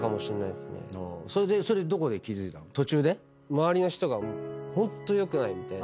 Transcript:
周りの人がホントよくない！みたいな。